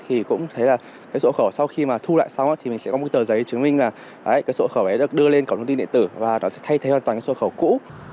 thì cũng thấy là sổ hộ khẩu sau khi thu lại xong mình sẽ có một tờ giấy chứng minh là sổ hộ khẩu ấy được đưa lên cổng dịch vụ điện tử và nó sẽ thay thế hoàn toàn sổ hộ khẩu cũ